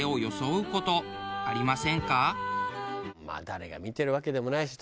誰が見てるわけでもないし。